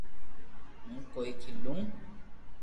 ھون ڪوئي کيلو